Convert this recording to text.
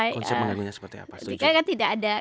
konsep mengganggunya seperti apa